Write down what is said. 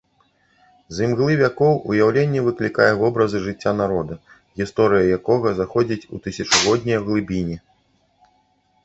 З імглы вякоў уяўленне выклікае вобразы жыцця народа, гісторыя якога заходзіць у тысячагоднія глыбіні.